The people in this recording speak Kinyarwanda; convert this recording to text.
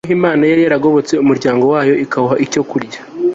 uhoraho imana yari yaragobotse umuryango wayo ikawuha icyo kurya